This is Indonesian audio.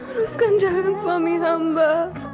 uruskan jalan suami hamba